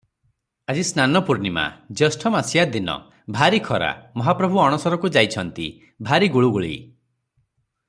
ଆଜି ସ୍ନାନ ପୂର୍ଣ୍ଣୀମା, ଜ୍ୟେଷ୍ଠମାସିଆ ଦିନ, ଭାରୀ ଖରା, ମହାପ୍ରଭୁ ଅଣସରକୁ ଯାଇଛନ୍ତି, ଭାରୀ ଗୁଳୁଗୁଳି ।